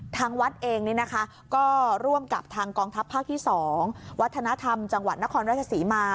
ทางวัดเองก็ร่วมกับทางกองทัพภาคที่๒วัฒนธรรมจังหวัดนครราชศรีมา